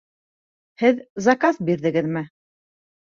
Һеҙ заказ бирҙегеҙме?